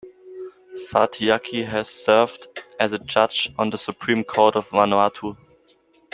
Fatiaki has served as a judge on the Supreme Court of Vanuatu.